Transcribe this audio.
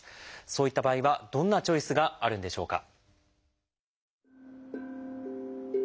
そういった場合はどんなチョイスがあるんでしょうか？